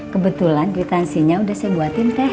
kebetulan jutaan sinya udah saya buatin teh